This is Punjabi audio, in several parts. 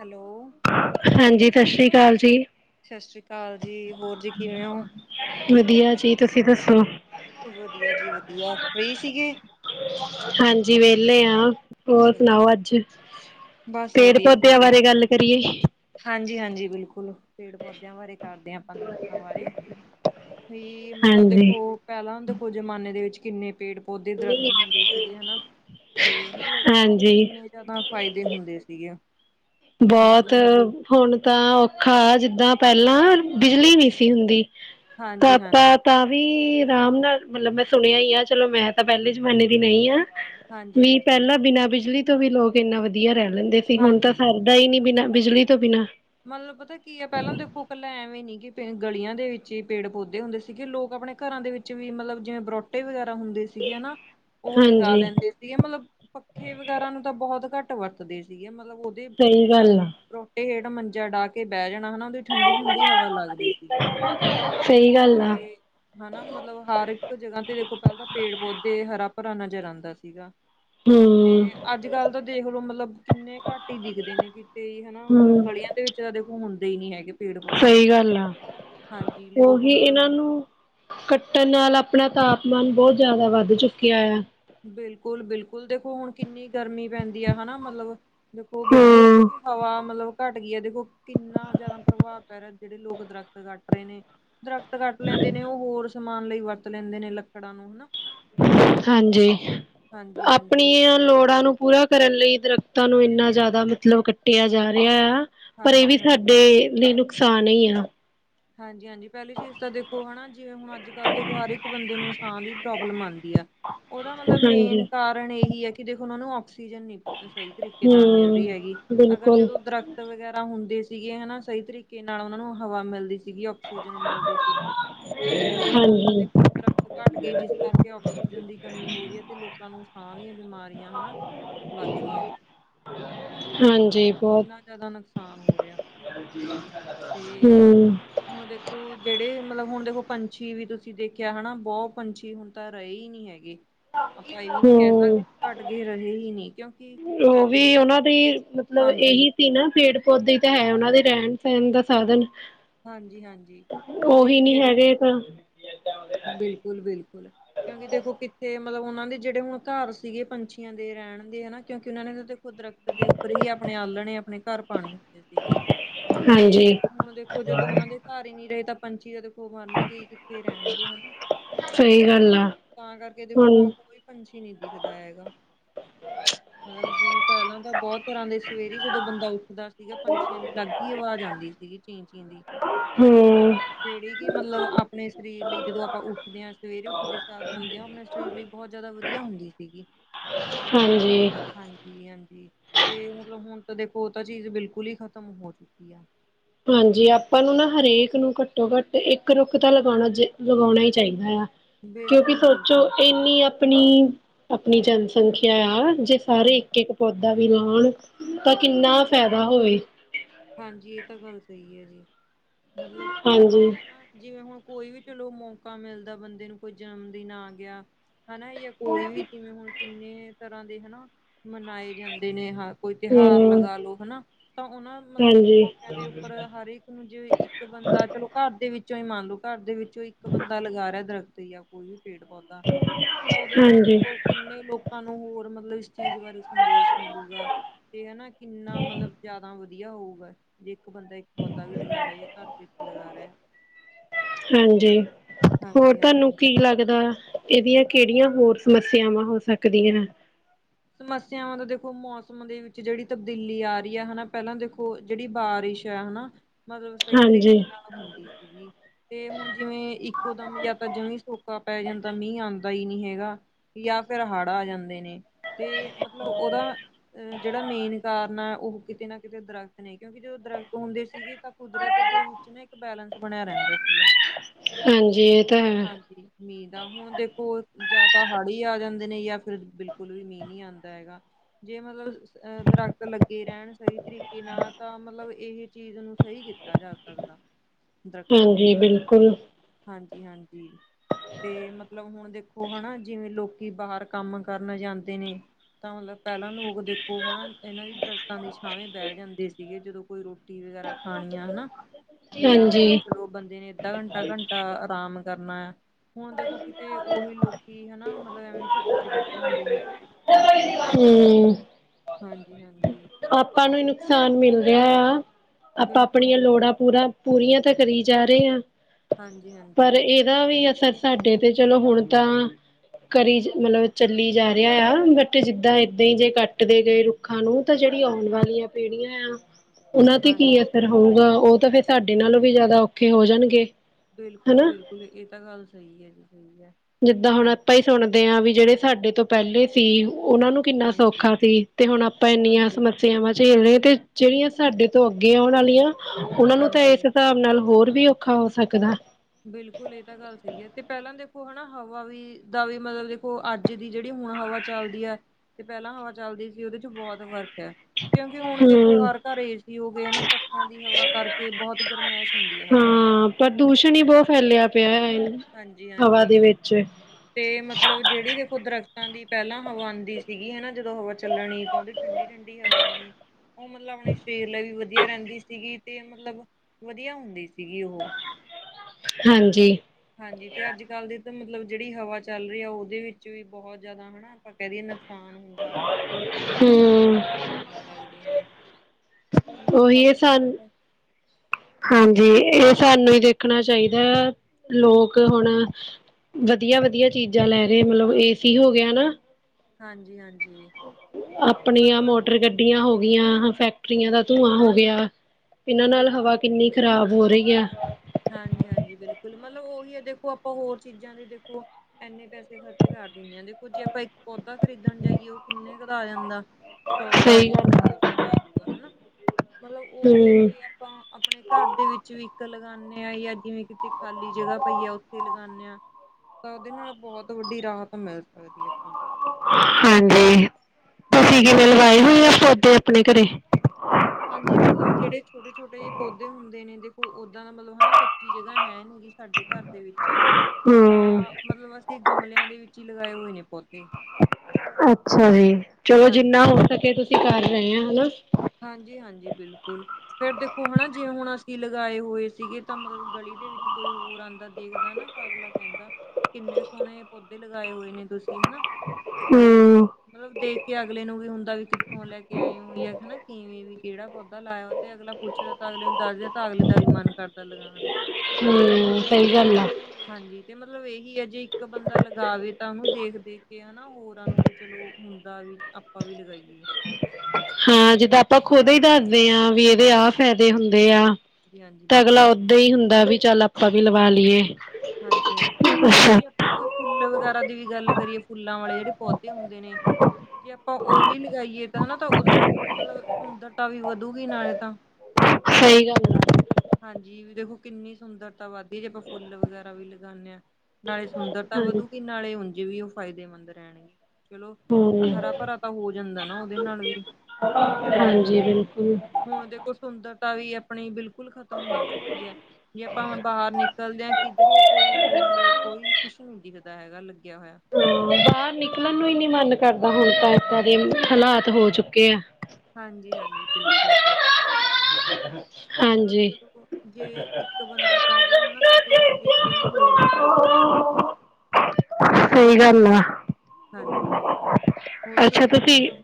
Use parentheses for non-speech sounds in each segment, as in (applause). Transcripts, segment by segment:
ਹੈਲੋ ਹਾਂਜੀ। ਸਤਿ ਸ਼੍ਰੀ ਅਕਾਲ ਜੀ। ਸਤਿ ਸ੍ਰੀ ਅਕਾਲ ਜੀ। ਹੋਰ ਜੀ ਕਿਵੇਂ ਹੋ? ਵਧੀਆ ਜੀ, ਤੁਸੀਂ ਦੱਸੋ? ਵਧੀਆ ਜੀ, ਵਧੀਆ ਫਰੀ ਸੀਗੇ। ਹਾਂਜੀ। ਵਿਹਲੇ ਆ ਹੋਰ ਚਲੋ, ਸੁਣਾਓ ਅੱਜ ਬਸ ਪੇੜ ਵਧੀਆ ਪੌਦਿਆਂ ਜੀ, ਬਾਰੇ ਗੱਲ ਕਰੀਏ ਹਾਂਜੀ -ਹਾਂਜੀ ਬਿਲਕੁਲ ਪੇੜ- ਪੌਦਿਆਂ ਬਾਰੇ ਕਰਦੇ ਹਾਂ। ਆਪਾਂ ਦਰੱਖਾਂ ਬਾਰੇ ਵੀ ਮਤਲਬ ਹਾਂਜੀ ਦੇਖੋ, ਪਹਿਲਾਂ ਦੇਖੋ, ਜ਼ਮਾਨੇ ਦੇ ਵਿੱਚ ਕਿੰਨੇ ਪੇੜ ਪੌਦੇ, ਦਰਖਤ ਹੁੰਦੇ ਸੀਗੇ। ਹੈਨਾ, ਤੇ ਮਤਲਬ ਉਹਨਾਂ ਦੇ ਹਾਂਜੀ ਕਿੰਨੇ ਜਿਆਦਾ ਫਾਇਦੇ ਹੁੰਦੇ ਸੀਗੇ। ਬਹੁਤ ਮਤਲਬ ਦੇਖੋ ਹੁਣ ਤਾਂ ਔਖਾ ਜਿੱਦਾ ਪਹਿਲਾਂ ਬਿਜਲੀ ਨਹੀਂ ਸੀ ਹੁੰਦੀ ਪਰ ਹਾਂਜੀ ਹਾਂਜੀ ਆਪਾਂ ਤਾਂ ਵੀ ਆਰਾਮ ਨਾਲ ਮਤਲਬ ਮੈਂ ਸੁਣਿਆ ਹੀ ਆ ਚਲੋ ਮੈਂ ਤਾਂ ਪਹਿਲੇ ਬਿਲਕੁਲ ਜਮਾਨੇ ਦੀ ਨਹੀਂ ਹਾਂ ਹਾਂਜੀ ਮੀਂ ਹਾਂਜੀ ਪਹਿਲਾਂ ਬਿਨਾਂ ਬਿਜਲੀ ਤੋਂ ਵੀ ਲੋਕ ਇੰਨਾ ਵਧੀਆ ਰਹਿਣ ਰਹਿੰਦੇ ਸੀ, ਹੁਣ ਤਾਂ ਰਹੀ ਨੀ ਬਿਨਾਂ ਬਿਜਲੀ ਤੋਂ ਬਿਨਾਂ ਮਨ ਲਓ ਪਤਾ ਕੀ ਹੈ ਪਹਿਲਾਂ ਦੇਖੋ ਕੱਲਾ ਐਵੇਂ ਨੀ ਕਿ ਗਲੀਆਂ ਦੇ ਵਿੱਚ ਹੀ ਪੇੜ ਪੌਦੇ ਹੁੰਦੇ ਸੀਗੇ ਲੋਕ ਆਪਣੇ ਘਰਾਂ ਦੇ ਵਿੱਚ ਵੀ ਮਤਲਬ ਜਿਵੇਂ ਬਰੋਟੇ ਵਗੈਰਾ ਹੁੰਦੇ ਸੀ ਗੇ ਨਾ ਉਹ ਲਗਾ ਹਾਂਜੀ ਲੈਂਦੇ ਸੀ ਗੇ ਮਤਲਬ ਪੱਖੇ ਵਗੈਰਾ ਨੂੰ ਤਾਂ ਬਹੁਤ ਘੱਟ ਵਰਤਦੇ ਸੀਗੇ ਮਤਲਬ ਉਹਦੇ ਸਹੀ ਹੇਠ ਗੱਲ ਆ। ਬਰੋਟੇ ਹੇਠ (unintelligible) ਡਾਹ ਕੇ ਬਹਿ ਜਾਣ ਹੈਨਾ ਉਹਦੀ ਠੰਡੀ ਠੰਡੀ ਹਵਾ ਲੱਗਦੀ ਸੀਗੀ ਸਹੀ ਗੱਲ ਆ। ਤੇ ਹੈਨਾ ਮਤਲਬ ਹਰ ਇੱਕ ਜਗ੍ਹਾ ਤੇ ਦੇਖੋ ਪਹਿਲਾਂ ਤਾਂ ਪੇੜ ਪੌਦੇ ਤੇ ਹਰਾ ਭਰਾ ਨਜ਼ਰ ਆਉਂਦਾ ਸੀਗਾ, ਤੇ ਤੇ ਹੂੰ, ਅੱਜ ਕੱਲ੍ਹ ਤਾਂ ਦੇਖਲੋ ਮਤਲਬ ਕਿੰਨੇ ਘੱਟ ਹੀ ਦਿਖਦੇ ਨੇ ਕਿਤੇ ਹੈਨਾ ਮਤਲਬ ਹੂੰ ਗਲੀਆਂ ਦੇਖੋ ਹੁੰਦੇ ਹੀ ਨੀ ਹੈਗੇ ਪੇੜ ਪੌਦੇ ਸਹੀ ਗੱਲ ਆ ਹਾਂਜੀ ਲੋਕ ਉਹੀ ਇਹਨਾਂ ਮਤਲਬ ਨੂੰ ਕੱਟਣ ਨਾਲ ਅਪਣਾ ਤਾਪਮਾਨ ਬਹੁਤ ਜ਼ਿਆਦਾ ਵੱਧ ਚੁੱਕਿਆ ਆ। ਬਿਲਕੁਲ ਬਿਲਕੁਲ ਦੇਖੋ ਹੁਣ ਕਿੰਨੀ ਗਰਮੀ ਪੈਂਦੀ ਆ ਹੈਨਾ ਮਤਲਬ ਦੇਖੋ ਬਿਲਕੁਲ ਹਵਾ ਮਤਲਬ ਘੱਟ ਗਈ ਹੈ ਦੇਖੋ ਕਿੰਨਾ ਜ਼ਿਆਦਾ ਪ੍ਰਭਾਵ ਪੈ ਰਿਹਾ ਜਿਹੜੇ ਲੋਕ ਦਰਖਤ ਕੱਟ ਰਹੇ ਨੇ। ਦਰਖਤ ਕੱਟ ਲੈਂਦੇ ਨੇ ਉਹ ਹੋਰ ਸਮਾਨ ਲਈ ਵਰਤ ਲੈਂਦੇ ਨੇ ਲੱਕੜਾਂ ਨੂੰ ਹੈਨਾ। ਹਾਂਜੀ। ਹਾਂਜੀ ਹਾਂਜੀ ਅਪਣੀਆਂ ਲੋੜਾਂ ਨੂੰ ਪੂਰਾ ਕਰਨ ਲਈ ਦਰਖਤਾਂ ਨੂੰ ਇੰਨਾ ਜ਼ਿਆਦਾ ਮਤਲਬ ਕੱਟਿਆ ਜਾ ਰਿਹਾ ਆ। ਪਰ ਇਹ ਵੀ ਹਾਂਜੀ ਹਾਂਜੀ ਸਾਡੇ ਲਈ ਨੁ ਸਾਹ ਨਹੀਂ ਅ ਹਾਂਜੀ ਹਾਂਜੀ ਪਹਿਲੀ ਚੀਜ਼ ਤਾਂ ਦੇਖੋ ਹਨਾ ਜਿਵੇਂ ਹੁਣ ਅੱਜ ਕੱਲ੍ਹ ਦੇਖੋ ਹਰ ਇੱਕ ਬੰਦੇ ਨੂੰ ਸਾਹ ਦੀ ਪ੍ਰੋਬਲਮ ਆਉਂਦੀ ਆ ਉਹਦਾ ਮਤਲਬ ਮੇਨ ਹਾਂਜੀ, ਕਾਰਨ ਇਹੀ ਹੈ ਕਿੇਖ ਨੂੰ ਕਸੀਜਨ ਨ ਸਹੀ ਤਰੀਕੇ ਨਾਲ ਮਿਲ ਰਹੀ ਹੂੰ ਹੈਗੀ ਅਗਰ ਬਿਲਕੁਲ ਜਦੋਂ ਦਰਖਤ ਵਗੈਰਾ ਹੁੰਦੇ ਸੀਗੇ ਹਨਾ ਸਹੀ ਤਰੀਕੇ ਨਾਲ ਉਹਨਾ ਨੂੰ ਹਵਾ ਮਿਲਦੀ ਸੀ ਅਨਿਆ ਆਕਸੀਜਨ ਮਿਲਦੀ ਸੀਗੀ ਤੇ ਹੁਣ ਤਾਂ ਹਾਂਜੀ, ਦੇਖੋ ਦਰਖਤ ਘੱਟ ਗਏ ਜਿਸ ਕਰਕੇ ਆਕਸੀਜਨ ਦੀ ਕਮੀ ਹੋ ਰਹੀ ਹੈ ਤੇ ਲੋਕਾਂ ਨੂੰ ਸਾਹ ਦੀਆਂ ਬਿਮਾਰੀਆਂ ਹਨਾ ਲੱਗ ਰਹੀਆਂ ਨੇ ਹਾਂਜੀ ਕਿੰਨਾ ਜ਼ਿਆਦਾ ਨੁਕਸਾਨ ਹੋ ਰਿਹਾ ਹਮ ਹੁ ਦੇਖੋ ਜ ਜਿਹੜੇ ਮਤਲਬ ਹੁਣ ਦੇਖੋ ਪੰਛੀ ਵੀ ਤੁਸੀਂ ਦੇਖਿਆ ਹਨਾ ਬਹੁਤ ਪੰਛੀ ਹੁਣ ਤਾਂ ਰਹੇ ਹੀ ਨਹੀਂੀ ਹੈਗੇ ਆਪਾਂ ਇਹ ਵੀ ਹਮ ਨਹੀਂ ਕਹਿ ਸਕਦੇ ਘੱਟ ਗਏ ਰਹੇ ਹੀ ਨਹੀਂ ਕਿਉਂਕਿ ਉਹ ਉਹਦਾ ਵੀ ਉਹਨਾਂ ਦੀ ਮਤਲਬ ਹਾਂਜੀ ਇਹੀ ਸੀ ਨਾ ਪੇੜ ਪੌਦੇ ਦੀ ਹੈ ਉਹਨਾਂ ਦੇ ਰਹਿਣ ਸਹਿਣ ਦਾ ਸਾਧਨ ਹਾਂਜੀ ਹਾਂਜੀ ਮਤਲਬ ਉਹੀ ਇਹੀ ਹੈ ਨਹੀਂ ਹੈਗੇ ਦੱਸੋ ਤਾਂ ਬਿਲਕੁਲ ਬਿਲਕੁਲ ਕਿਉਂਕਿ ਦੇਖੋ ਕਿੱਥੇ ਮਤਲਬ ਉਹਨਾਂ ਦੇ ਜਿਹੜੇ ਹੁਣ ਘਰ ਸੀਗੇ ਪੰਛੀਆਂ ਦੇ ਰਹਿਣ ਦੇ ਹਨ ਨਾ ਕਿਉਂਕਿ ਉਹਨਾਂ ਨੇ ਤੇ ਦੇਖੋ ਦਰਖਤ ਦੇ ਉੱਪਰ ਹੀ ਆਪਣੇ ਆਲਣੇ ਆਪਣੇ ਘਰ ਪਾਉਣੇ ਹੁੰਦੇ ਸੀਗੇ ਹਾਂਜੀ ਤੇ ਹੁਣ ਦੇਖੋ ਜਦੋਂ ਉਹਨਾਂ ਦੇ ਘਰ ਹੀ ਨਹੀਂੀ ਰਹੇ ਤਾਂ ਪੰਛੀ ਉਹ ਦੇਖੋ ਮਰਨ ਗਈ ਕਿੱਥੇ ਹਨਾ ਸਹੀ ਗੱਲ ਆ ਤਾਂ ਕਰਕੇ ਦੇਖੋ ਹੁਣ ਕੋਈ ਪੰਛੀ ਨੀ ਦਿਖਦਾ ਹੈਗਾ ਮਤਲਬ ਜਿਵੇਂ ਪਹਿਲਾਂ ਤਾਂ ਬਹੁਤ ਤਰ੍ਹਾਂ ਦੇ ਸਵੇਰੇਹੀ ਜਦੋਂ ਬੰਦਾ ਉੱਠਦਾ ਸੀਗਾ ਪੰਛੀਆਂ ਦੀ ਅਲੱਗ ਹੀ ਆਵਾਜ਼ ਆਉਂਦੀ ਸੀਗੀ ਚੀਂ ਚੀਂ ਦੀ ਹੂੰ ਜਿਹੜੀ ਕਿ ਮਤਲਬ ਆਪਣੇ ਸਰੀਰ ਲਈ ਜਦੋਂ ਆਪਾਂ ਉੱਠਦੇ ਹਾਂ ਸਵੇਰੇ ਉੱਠਦੇ ਸਾ ਸੁਣਦੇ ਹਾਂ ਆਪਣੇ ਸਰੀਰ ਲਈ ਬਹੁਤ ਜ਼ਿਆਦਾ ਵਧੀਆ ਹੁੰਦੀ ਸੀਗੀ ਹਾਂਜੀ ਹਾਂਜੀ ਹਾਂਜੀ ਤੇ ਮਤਲਬ ਹੁਣ ਤਾਂ ਦੇਖੋ ਉਹ ਤਾਂ ਚੀਜ਼ ਬਿਲਕੁਲ ਹੀ ਖਤਮ ਹੋ ਚੁੱਕੀ ਆ ਹਾਂਜੀ ਆਪਾਂ ਨੂੰ ਨਾ ਹਰੇਕ ਨੂੰ ਘੱਟੋ ਘੱਟ ਇੱਕ ਰੁੱਖ ਤਾਂ ਲਗਾਉਣਾ ਲਗਾਉਣਾ ਹੀ ਚਾਹੀਦਾ ਆ ਕਿਉਂਕਿ ਬਿਲਕੁਲ ਸੋਚੋ ਬਿਲਕੁਲ ਇੰਨੀ ਆਪਣੀ ਆਪਣੀ ਜਨਸੰਖਿਆ ਆ ਜੇ ਸਾਰੇ ਹਾਂਜੀ ਇੱਕ ਇੱਕ ਪੌਦਾ ਲਉਣ ਤਾਂ ਕਿੰਨਾ ਫਾਇਦਾ ਹੋਵੇ ਹਾਂਜੀ ਤਾਂ ਗੱਲ ਸਹੀ ਹੈ ਜੀ ਮਤਲਬ ਆਪਾਂ ਹਾਂਜੀ ਨੂੰ ਨ ਨਾ ਜਿਵੇਂ ਹੁਣ ਕੋਈ ਵੀ ਚਲੋ ਮੌਕਾ ਮਿਲਦਾ ਬੰਦੇ ਨੂੰ ਕੋਈ ਜਨਮਦਨ ਆ ਗਿਆ ਹਨਾ ਜਾਂ ਕੋਈ ਵੀ ਜਿਵੇਂ ਹੁਣ ਕਿੰਨੇ ਤਰ੍ਹਾਂ ਦੇ ਹਨਾ ਮਨਾਏ ਜਾਂਦੇ ਨੇ ਕੋਈ ਤਿਉਹਾਰ ਹੂੰ ਲਗਾ ਲੋ ਹਨਾ ਤਾਂ ਉਹਨਾ ਮਤਲਬ ਹਾਂਜੀ ਮੌਕਿਆਂ ਦੇ ਉੱਪਰ ਹਰ ਇੱਕ ਨੂੰ ਜੇ ਇੱਕ ਬੰਦਾ ਚਲੋ ਘਰ ਦੇ ਵਿੱਚ ਚਾਹੇ ਮੰਨ ਲਓ ਘਰ ਦੇ ਵਿੱਚ ਵਿੱਚੋਂ ਇੱਕ ਬੰਦਾ ਲਗਾ ਰਿਹਾ ਦਰਖਤ ਤੇ ਯਾ ਕੋਈ ਵੀ ਪੇੜ ਪੌਦਾ ਤਾਂ ਉਹਦੇ ਨਾਲ ਹਾਂਜੀ ਦੇਖੋ ਕਿੰਨੇ ਲੋਕਾਂ ਨੂੰ ਹੋਰ ਮਤਲਬ ਇਸ ਚੀਜ਼ ਬਾਰੇ ਸੰਦੇਸ਼ ਮਿਲੂਗਾ ਤੇ ਹੈ ਨਾ ਕਿੰਨਾ ਮਤਲਬ ਜ਼ਿਆਦਾ ਵਧੀਆ ਹੋਊਗਾ ਜੇ ਇੱਕ ਬੰਦਾ ਇੱਕ ਪੌਦਾ ਵੀ ਲਗਾ ਰਿਹਾ ਹੈ ਘਰ ਵਿੱਚ ਲਗਾ ਰਿਹਾ ਹਾਂਜੀ ਹੋਰ ਤੁਹਾਨੂੰ ਹਾਂਜੀ-ਹਾਂਜੀ। ਕੀ ਲੱਗਦਾ ਇਹਦੀਆਂ ਕਿਹੜੀਆਂ ਹੋਰ ਸਮੱਸਿਆਵਾਂ ਹੋ ਸਕਦੀਆਂ ਸਮੱਸਿਆਵਾਂ ਦਾ ਦੇਖੋ ਮੌਸਮ ਦੇ ਵਿੱਚ ਜਿਹੜੀ ਤਬਦੀਲੀ ਆ ਰਹੀ ਹੈ ਹਨਾ ਪਹਿਲਾਂ ਦੇਖੋ ਜਿਹੜੀ ਬਾਰਿਸ਼ ਹੈ ਨਾ ਮਤਲਬ ਸਹੀ ਹਾਂਜੀ ਤਰੀਕੇ ਨਾਲ ਹੁੰਦੀ ਨੀਗੀ ਤੇ ਹੁਣ ਜਿਵੇਂ ਇੱਕੋ ਦਮ ਜਾਂ ਤਾਂ ਜਿਵੇ ਸੋਕਾ ਪੈ ਜਾਂਦਾ ਮੀਂਹ ਆਉਂਦਾ ਹੀ ਨਹੀਂ ਹੈਗਾ ਯਾ ਫੇਰ ਹੜ ਆ ਜਾਂਦੇ ਨੇ ਤੇ ਮਤਲਬ ਉਹਦਾ ਅਹ ਜਿਹੜਾ ਮੇਨ ਕਾਰਨ ਹੈ ਉਹ ਕਿਤੇ ਨਾ ਕਿਤੇ ਦਰਖੱਤ ਨੇ ਕਿਉਂਕਿ ਜਦੋਂ ਦਰਖੱਤ ਹੁੰਦੇ ਸੀਗੇ ਤਾਂ ਕੁਦਰਤ ਦੇ ਵਿੱਚ ਨਾ ਇੱਕ ਬੈਲੈਂਸ ਬਣਿਆ ਰਹਿੰਦਾ ਸੀਗਾ ਹਾਂਜੀ ਇਹ ਤਾਂ ਹੈ ਹਾਂਜੀ ਮੀਂਹ ਦਾ ਹੁਣ ਦੇਖੋ ਜਾਂ ਤਾਂ ਹੜ ਈ ਆ ਜਾਂਦੇ ਨੇ ਯਾ ਫਿਰ ਬਿਲੁ ਬਿਲਕੁਲ ਵੀ ਮੀਂਹ ਨੀ ਆਉਂਦਾ ਹੈਗਾ ਜੇ ਮਤਲਬ ਅ ਦਰਖਤ ਲੱਗੇ ਰਹਿਣ ਸਹੀ ਤਰੀਕੇ ਨਾਲ ਤਾਂ ਮਤਲਬ ਇਹ ਚੀਜ਼ ਨੂੰ ਸਹੀ ਕੀਤਾ ਜਾ ਸਕਦਾ ਦਰਖਤਾਂ ਦੇ ਹਾਂਜੀ ਨਾਲ ਬਿਲਕੁਲ ਹਾਂਜੀ ਹਾਂਜੀ ਤੇ ਮਤਲਬ ਹੁਣ ਦੇਖੋ ਹਨਾ ਜਿਵੇਂ ਲੋਕੀ ਬਾਹਰ ਕੰਮ ਕਰ ਜਾਂਦੇ ਨੇ ਤਾਂ ਮਤਲਬ ਪਹਿਲਾਂ ਲੋਕ ਦੇਖੋ ਹੈ ਨਾ ਇਹਨਾਂ ਦੀ ਦਰਖਤਾਂ ਦੀ ਛਾਵੇਂ ਬਹਿ ਜਾਂਦੇ ਸੀਗੇ ਜਦੋਂ ਕੋਈ ਰੋਟੀ ਵਗੈਰਾ ਖਾਣੀ ਆ ਹੈ ਨਾ ਆ ਮਤਲਬ ਹਾਂਜੀ ਚਲੋ ਬੰਦੇ ਨੇ ਅੱਧਾ ਘੰਟਾ ਘੰਟਾ ਆਰਾਮ ਕਰਨਾ ਹੈ ਹੁਣ ਦੇਖੋ ਕਿਤੇ ਉਹੀ ਲੋਕੀ ਹੈ ਨਾ ਮਤਲਬ ਐਵੇਂ ਧੁੱਪ ਚ ਬੈਠੇ ਹੁੰਦੇ ਨੇ ਹਮ ਹਾਂਜੀ ਹਾਂਜੀ ਆਪਾਂ ਨੂੰ ਹੀ ਨੁਕਸਾਨ ਮਿਲ ਰਿਹਾ ਆ ਆਪਾਂ ਬਿਲਕੁਲ ਆਪਣੀਆਂ ਬਿਲਕੁਲ ਲੋੜਾਂ ਪੂਰਾ ਪੂਰੀਆਂ ਤਾਂ ਕਰੀ ਜਾ ਰਹੇ ਹ ਹਾਂਜੀ ਪਰ ਹਾਂਜੀ ਇਹਦਾ ਵੀ ਅਸਰ ਸਾਡੇ ਤੇ ਚਲੋ ਹੁਣ ਤਾਂ ਕਰੀ ਮਤਲਬ ਚੱਲੀ ਜਾ ਰਿਹਾ ਆ ਬਟ ਜਿੱਦਾਂ ਏਦਾਂ ਹੀ ਜੇ ਕੱਟਦੇ ਗਏ ਰੁੱਖਾਂ ਨੂੰ ਤਾਂ ਜਿਹੜੀ ਆਉਣ ਵਾਲੀਆਂ ਪੀੜ੍ਹੀਆਂ ਆ ਉਹਨਾਂ ਤੇ ਹਾਂਜੀ ਕੀ ਅਸਰ ਹੋਊਗਾ ਉਹ ਤਾਂ ਫੇਰ ਸਾਡੇ ਨਾਲੋਂ ਵੀ ਜ਼ਿਆਦਾ ਔਖੇ ਹੋ ਜਾਣਗੇ ਬਿਲਕੁਲ ਹਨਾ ਬਿਲਕੁਲ ਇਹ ਤਾਂ ਗੱਲ ਸਹੀ ਹੈ ਜੀ ਸਹੀ ਹੈ ਜਿੱਦਾਂ ਹੁਣ ਹਾਂ ਆਪਾਂ ਹੀ ਸੁਣਦੇ ਹਾਂ ਵੀ ਜਿਹੜੇ ਸਾਡੇ ਤੋਂ ਪਹਿਲੇ ਸੀ। ਉਹਨਾਂ ਨੂੰ ਕਿੰਨਾ ਹਾਂਜੀ ਸੌਖਾ ਸੀ, ਤੇ ਹੁਣ ਆਪਾਂ ਇੰਨੀਆਂ ਹਾਂਜੀ ਸਮੱਸਿਆਵਾਂ ਝੇਲ ਰਹੇ ਤੇ ਜਿਹੜੀਆਂ ਸਾਡੇ ਤੋਂ ਅੱਗੇ ਆਉਣ ਆਲੀਆਂ ਉਹਨਾਂ ਨੂੰ ਤਾਂ, ਹਾਂਜੀ ਇਸ ਹਿਸਾਬ ਨਾਲ ਹੋਰ ਵੀ ਔਖਾ ਹੋ ਸਕਦਾ। ਬਿਲਕੁਲ ਇਹ ਤਾਂ ਗੱਲ ਸਹੀ ਹੈ, ਤੇ ਪਹਿਲਾਂ ਦੇਖੋ ਹਨਾ ਹਵਾ ਵੀ ਦਾ ਵੀ ਮਤਲਬ ਦੇਖੋ, ਅੱਜ ਦੀ ਜਿਹੜੀ ਹੁਣ ਹਵਾ ਚੱਲਦੀ ਹੈ, ਤੇ ਪਹਿਲਾਂ ਹਵਾ ਚੱਲਦੀ ਸੀ, ਉਹਦੇ ਚ ਬਹੁਤ ਫਰਕ ਕਿਉਂਕਿ ਹੁਣ ਦੇਖੋ, ਹਮ ਹਰ ਘਰ ਏ ਸੀ ਹੋ ਗਏ, ਨਾ ਪੱਖਿਆਂ ਦੀ ਹਵਾ ਕਰਕੇ ਬਹੁਤ ਗਰਮੈਸ਼ ਹੁੰਦੀ ਹੈ ਹਵਾ ਚ। ਹਾਂ ਪ੍ਰਦੂਸ਼ਣ ਹੀ ਬਹੁਤ ਫੈਲਿਆ ਪਿਆ ਆ। ਹਾਂਜੀ ਹਾਂਜੀ, ਤੇ ਮਤਲਬ ਜਿਹੜੀ ਦੇਖੋ ਦਰਖ਼ਤ ਦੀ ਪਹਿਲਾਂ ਹਵਾ ਆਂਦੀ ਸੀਗੀ ਹਨਾ ਜਦੋਂ ਹਵਾ ਚੱਲਣੀ ਤਾਂ, ਉਹਦੀ ਠੰਡੀ ਠੰਡੀ ਹਵਾ ਆਉਣੀ, ਉਹ ਮਤਲਬ ਆਪਣੇ ਸਰੀਰ ਲਈ ਵੀ ਵਧੀਆ ਵਧੀਆਂ ਰਹਿੰਦੀ ਸੀਗੀ, ਤੇ ਮਤਲਬ ਵਧੀਆਂ ਹੁੰਦੀ ਸੀਗੀ ਉਹ। ਹਾਂਜੀ ਹਾਂਜੀ, ਤੇ ਅੱਜ ਕੱਲ੍ਹ ਦੇ ਮਤਲਬ ਜਿਹੜੀ ਹਵਾ ਚੱਲ ਰਹੀ ਐ, ਉਹਦੇ ਵਿੱਚ ਵੀ ਬਹੁਤ ਜ਼ਿਆਦਾ ਹਨਾ, ਆਪਾਂ ਕਹਿ ਦਏ ਕਸਾਨ ਹੁੰਦਾ, ਆਪਣੇ ਸਰੀਰ ਹਮ ਚ ਬਿਮਾਰੀਆਂ ਲੱਗਦੀਆਂ ਨੇ ਮਤਲਬ ਉਹੀ ਸਭ ਇਹ ਤੋਂ ਸਾਨ ਵੱਡਾ, ਹਾਂਜੀ। ਰੱਖਣਾ ਚਾਹੀਦਾਂ, ਲੋਕ ਹੁਣ ਵਧੀਆਂ ਵਧੀਆਂ ਚੀਜ਼ਾਂ ਲੈ ਰਹੇ ਮਤਲਬ ਏ ਸੀ ਹੋ ਗਿਆ ਨਾ। ਹਾਂਜੀ ਹਾਂਜੀ। ਆਪਣੀਆਂ ਮਤਲਬ ਮੋਟਰ ਗੱਡੀਆਂ ਹੋ ਆਂ ਫੈਕਟਰੀਆਂ ਦਾ ਬਿਲਕੁਲ ਧੂੰਆਂ ਹੋ ਗਿਆ, ਇਹਨਾਂ ਨਾਲ ਬਿਲਕੁਲ ਹਵਾ ਕਿੰਨੀ ਬਿਲਕੁਲ ਖ਼ਰਾਬ ਹੋ ਰਹੀ ਆ। ਹਾਂਜੀ ਹਾਂਜੀ ਬਿਲਕੁਲ ਮਤਲਬ ਉਹੀ ਐ, ਦੇਖੋ ਆਪਾਂ ਹੋਰ ਚੀਜ਼ਾਂ ਦੇ ਦੇਖੋ ਇੰਨੇ ਪੈਸੇ ਖਰਚ ਕਰ ਦਿੰਦੇ ਐ, ਦੇਖੋ ਜੇ ਆਪਾਂ ਪੌਦਾ ਖਰੀਦਣ ਜਾਈਏ, ਉਹ ਕਿੰਨੇ ਕੁ ਦਾ ਆ ਜਾਂਦਾ। ਸੌ ਦਾ ਸਹੀ ਆਜੂਗਾ ਗੱਲ ਦੋ ਸੌ ਦਾ ਆਜੂਗਾ ਹਨਾ, ਮਤਲਬ ਉਹੀ ਹਮ ਜੇ ਆਪਾਂ ਆਪਣੇ ਘਰ ਦੇ ਵਿੱਚ ਵੀ ਇੱਕ ਲਗਾਉ ਨੇ ਆਈ ਆ, ਜਿਵੇਂ ਕਿਤੇ ਖਾਲੀ ਜਗ੍ਹਾ ਪਈ ਆ, ਉੱਥੇ ਲਗਾਨਾ ਆ। ਉਹਦੇ ਨਾਲ ਬਹੁਤ ਵੱਡੀ ਰਾਹਤ ਮਿਲ ਸਕਦੀ ਆ, ਆਪਾਂ ਨੂੰ। ਹਾਂਜੀ। ਤੁਸੀਂ ਹਾਂਜੀ। ਕਿਵੇਂ ਲਗਏ ਹੋਈ ਆ ਪੌਦੇ? ਆਪਣੇ ਘਰੇ। ਹਾਂਜੀ ਮਤਲਬ, ਜਿਹੜੇ ਛੋਟੇ ਛੋਟੇ ਜਿਹੇ ਪੌਦੇ ਹੁੰਦੇ ਨੇ, ਦੇਖੋ ਓਦਾਂ ਤਾਂ ਮਤਲਬ ਹਨਾ ਕੱਚੀ ਜਗ੍ਹਾ ਹੈ ਨੀ, ਸਾਡੇ ਘਰ ਦੇ ਵਿੱਚ। ਹਮ ਤਾਂ ਮਤਲਬ, ਅਸੀਂ ਗਮਲਿਆਂ ਦੇ ਵਿੱਚ ਹੀ ਲਗਾਏ ਹੋਏ ਨੇ‌ ਅੱਛਾ ਜੀ, ਚਲੋ ਜਿੰਨਾ ਹਾਂਜੀ-ਹਾਂਜੀ। ਹੋ ਸਕੇ ਤੁਸੀਂ ਕਰ ਰਹੇ ਹੋ। (unintelligible) ਹਾਂਜੀ-ਹਾਂਜੀ ਬਿਲਕੁਲ ਫੇਰ ਦੇਖੋ ਓਹਣਾ ਜੀ ਹੁਣ ਅਸੀ ਲਗਾਏ ਹੋ ਹੋਏ ਸੀਗੇ ਤਾ ਮਤਲਬ ਗਲੀ ਦੇ ਵਿੱਚ ਕੋਈ ਹੋਰ ਆਉਂਦਾ ਦੇਖਦਾ ਨਾ ਤਾ ਅਗਲਾ ਕਹਿੰਦਾ ਕਿੰਨੇ ਸੋਹਣੇ ਪੌਧੇ ਲਗਾਏ ਹੋਏ ਨੇ ਤੁਸੀ ਹਨਾ ਤੇ ਹੂੰ। ਮਤਲਬ ਦੇਖ ਕੇ ਅਗਲੇ ਨੂੰ ਵੀ ਹੁੰਦਾ ਵੀ ਥੋਂ ਲਏ ਕੇ ਆਏਂ ਹੋ ਯਾ ਹਨਾ ਨੀਂ ਵਈ ਕਿਹੜਾ ਪੌਦਾ ਲਾਇਆ ਹੋਇਆ ਤੇ ਅਗਲਾ ਪੁੱਛਦਾ ਤਾ ਅਗਲੇ ਨੂੰ ਦੱਸਦੇਓ ਤਾ ਅਗਲੇ ਦਾ ਵੀ ਮਨ ਕਰਦਾ ਲਗਾਉਣ ਨੂੰ। ਹੰ ਸਹੀ ਗੱਲ ਐ। ਹਾਂਜੀ ਤੇ ਮਤਲਬ ਇਹੀ ਹੈ ਜੇ ਇੱਕ ਬੰਦਾ ਲਗਾਵੇ ਤਾਂ ਉਹਨੂੰ ਦੇਖ-ਦੇਖ ਕੇ ਹਨਾ ਹੋਰਾਂ ਨੂੰ ਵੀ ਚਲੋ ਹੁੰਦਾ ਵੀ ਆਪਾਂ ਵੀ ਲਗਾਈਏ। ਹਾਂ ਜਿੱਦਾਂ ਆਪਾਂ ਖੁਦ ਹੀ ਦੱਸਦੇ ਹਾਂ ਵੀ ਇਹਦੇ ਆਹ ਫਾਇਦੇ ਹੁੰਦਿਆਂ। ਹਾਂਜੀ-ਹਾਂਜੀ ਤਾਂ ਅਗਲਾ ਬਿਲਕੁਲ ਓਹਦਾਂ ਹੀ ਹੁੰਦਾ ਵੀ ਚਲ ਅੱਪਾਂ ਵੀ ਲਵਾ ਲਈ ਏ। ਹਾਂਜੀ-ਹਾਂਜੀ ਹੁਣ ਦੇਖੋ ਜੇ ਆਪਾਂ ਕੋਈ ਫੁੱਲ ਵਗੈਰਾ ਦੀ ਵੀ ਗੱਲ ਕਰੀਏ ਫੁੱਲਾਂ ਵਾਲੇ ਜਿਹੜੇ ਪੌਦੇ ਹੁੰਦੇ ਨੇ ਜੇ ਆਪਾਂ ਉਹ ਵੀ ਲਗਾਈਏ ਤਾਂ ਹਨਾ ਤੁਹਾ ਉਹਦੇ ਨਾਲ ਮਤਲਬ ਸੁੰਦਰਤਾ ਵੀ ਵਧੂਗੀ ਨਾਲੇ ਤਾਂ। ਸਹੀ ਗੱਲ ਹਾਂਜੀ ਵੀ ਦੇਖੋ ਕਿੰਹਨੀ ਸੁੰਦਰ ਤਾ ਵੱਧਦੀ ਜੇ ਆਪਾਂ ਫੁੱਲ ਵਗੈਰਾ ਵੀ ਲਗਾਉਂਨੇਂ ਆਂ ਨਾਲੇ ਸੁੰਦਰਤਾ ਆ ਹਾਂਜੀ ਵਧੂਗੀ ਨਾਲੇ ਉਂਜ ਚ ਵੀ ਉਹ ਫਾਇਦੇਮੰਦ ਰਹਿਣਗੇ। ਚਲੋ ਇਹ ਹੂੰ ਹਰਾ ਭਰਾ ਤਾ ਹੋ ਜਾਂਦਾ ਨਾ ਉਹਦੇ ਨਾਲ ਵੀ। ਹਾਂਜੀ ਬਿਲਕੁਲ। ਹੁਣ ਦੇਖੋ ਸੁੰਦਰ ਤਾ ਵੀ ਆਪਣੀ ਬਿਲ ਕੁਲ ਖਤਮ ਹੋ ਚੁੱਕੀ ਹੈ ਜੇ ਆਪਾਂ ਬਾਹਰ ਨਿਕਲਦੇ ਹਾਂ ਕਿੱਧਰੇ ਕੋਈ ਫੁੱਲ ਕੋਈ ਕੁਸ਼ ਨਹੀਂ ਦਿਖ ਦਾ ਹੈਗਾ ਲੱਗ ਗਿਆ ਹੋਇਆ ਨਿਕਲਨ ਨੂੰ ਹੀ ਨੀ ਮਨ ਕਰਦਾ ਹੁਨ ਤਾ ਇਹਦਾਂ ਦੇ ਹਾਲਾਤ ਹੋ ਚੁੱਕਿਆਂ। ਹਾਂਜੀ-ਹਾਂਜੀ ਬਿਲਕੁਲ ਮਤਲਬ ਹਾਂਜੀ। ਚਲੋ ਜੇ ਇੱਕ ਬੰਦਾ ਕਰ ਰਿਹਾ ਹਨਾ ਤਾ ਦੇਖ-ਦੇਖ ਕੇ ਇਹਨੂੰ ਹੋਰ ਵੀ ਕਰ ਸਕਦੇ ਏਂ। ਸਹੀ ਗੱਲ ਆ ਹਾਂਜੀ-ਹਾਂਜੀ ਹੋਰ ਅੱਛਾ ਤੁਸੀਂ ਤੁਸੀ ਮਤਲਬ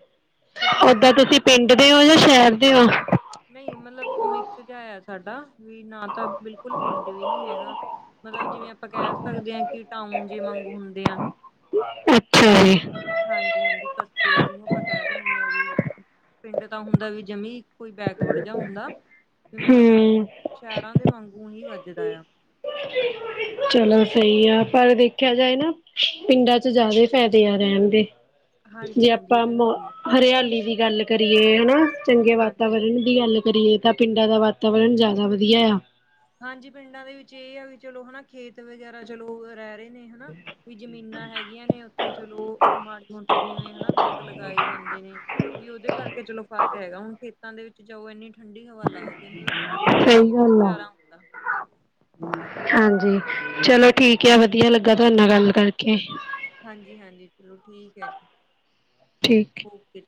ਤੁਸੀਂ ਓਹਦਾਂ ਲਗਾਏ ਫਿਰ ਤੁਸੀ ਪਿੰਡ ਦੇ ਹੋ ਯਾ ਸ਼ਹਿਰ ਦੇ ਹੋ। ਨਹੀਂ ਮਤਲਬ ਮਿਕਸ ਜਿਹਾਆ ਸਾਡਾ। ਵੀ ਨਾ ਤਾ ਬਿਲਕੁਲ ਪਿੰਡ ਵੀ ਨੀ ਹੈਗਾ ਮਤਲਬ ਜਿਵੇਂ ਆਪਾਂ ਕਹਿ ਸਕਦੇ ਹਾਂ ਕਿ ਟਾਉਨ ਜੇ ਮਾਂਗੂੰ ਹੁੰਦਿਆਂ ਅੱਛਾ ਜੀ ਹਾਂਜੀ-ਹਾਂਜੀ ਕਸਬੇ ਜਿਹਨੁੰ ਆਪਾਂ ਕਹਿ ਦਿੰਨੇਂ ਆ ਵਈ ਪਿੰਡ ਤਾਂ ਹੁੰਦਾ ਵੀ ਜਮੀਂ ਕੋਈ ਬੈਕਵਰਡ ਜਿਹਾ ਹੁੰਦਾ ਵਈ ਮਤਲਬ ਹਮ ਸ਼ਹਿਰਾਂ ਦੇ ਵਾਂਗੂ ਹੀ ਵੱਜ ਜਦਾ ਆ (inaudible) ਚਲੋ ਸਹੀ ਆ ਪਰ ਦੇਖਿਆ ਜਾਏ ਨਾਂ ਪਿੰਡਾਂ ਚ ਜਿਆਦੇ ਫ਼ਾਇਦੇ ਆਂ ਰਹਿਣ ਦੇ। ਜੇ ਹਾਂਜੀ-ਹਾਂਜੀ ਇਹ ਆਪਾਂ ਤਾਂ ਗੱਲ ਨੂੰ ਸਹੀ ਹਰਿਆਲੀ ਦੀ ਗੱਲ ਕਰੀਏ ਹਨਾ। ਚੰਗੇ ਹਾਂਜੀ-ਹਾਂਜੀ ਵਾਤਾਵਰਣ ਦੀ ਗੱਲ ਕਰੀਏ। ਤਾਂ ਪਿੰਡਾਂ ਦਾ ਵਾਤਾਵਰਨ ਜ਼ਿਆਦਾ ਵਧੀਆ ਆ ਹਾਂਜੀ ਪਿੰਡਾਂ ਦੇ ਵਿੱਚ ਇਹ ਆ ਵੀ ਚਲੋ ਹਨਾ ਖੇਤ ਵਗੈਰਾ ਚਲੋ ਰਹਿ ਰਹੇ ਨੇ ਹਨਾ ਵੀ ਜ਼ਮੀਨਾਂ ਹੈਗੀਆਂ ਨੇ ਉੱਥੇ ਚਲੋ ਮਾੜੀ ਮੋਟੀ ਜਿਵੇਂ ਹਨਾ ਲੋਕ ਲਗਾਏ ਜਾਂਦੇ ਨੇ ਵੀ ਉਹਦੇ ਕਰਕੇ ਚਲੋ ਫਰਕ ਹੈਗਾ ਹੁਣ ਫ ਦ ਵਿੱਚ ਜਾਓ ਇੰਨੀ ਠੰਡੀ ਹਵਾ ਲੱਗਦੀ ਆ ਮਤਲਬ ਬੜਾ ਸਹੀ ਵਧੀਆ ਗੱਲ ਆ ਨਜ਼ਾਰਾ ਹਾਂਜੀ ਚਲੋ ਠੀਕ ਆ ਵਧੀਆ ਲੱਗਾ ਤੁਹਾਡੇ ਨਾਲ ਗੱਲ ਕਰਕੇ ਹਾਂਜੀ ਹਾਂਜੀ ਚਲੋ ਠੀਕ ਹੈ ਜੀ ਠੀਕ ਓ ਕੇ